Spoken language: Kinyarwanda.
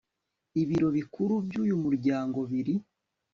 Ibiro bikuru by uyu muryango biri